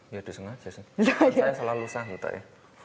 ya disengaja sih saya selalu santai